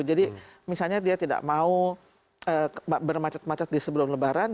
misalnya dia tidak mau bermacet macet di sebelum lebaran